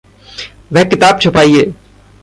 वह किताब छिपाइए।